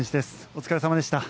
お疲れさまでした。